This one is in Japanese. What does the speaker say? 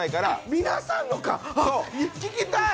皆さんのか、聞きたい！